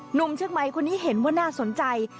หนุ่มเชียงใหม่คนนี้เห็นว่าน่าสนใจ